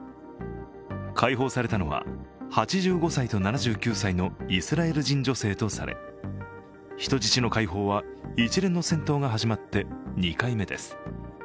解放されたのは８５歳と７９歳のイスラエル人女性とされ人質の解放は一連の戦闘が始まって２回目です。